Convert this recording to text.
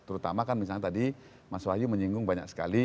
terutama kan misalnya tadi mas wahyu menyinggung banyak sekali